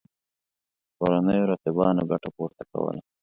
کورنیو رقیبانو ګټه پورته کوله.